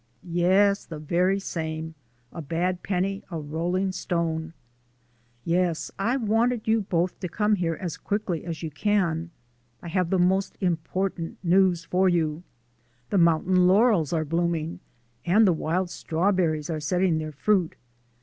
"Yes, the very same. A bad penny, a rolling stone.".... "Yes. I want you both to come here as quickly as you can. I have the most important news for you. The mountain laurels are blooming, and the wild strawberries are setting their fruit.